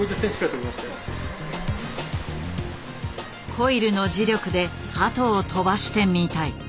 コイルの磁力で鳩を飛ばしてみたい。